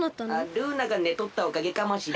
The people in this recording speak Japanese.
ルーナがねとったおかげかもしれん。